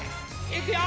いくよ！